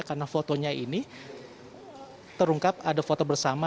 karena fotonya ini terungkap ada foto bersama